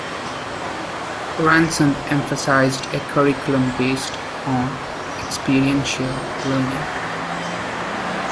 Ransom emphasized a curriculum based on experiential learning.